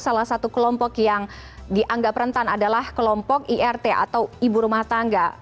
salah satu kelompok yang dianggap rentan adalah kelompok irt atau ibu rumah tangga